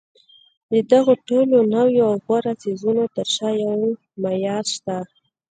د دغو ټولو نویو او غوره څیزونو تر شا یو معیار شته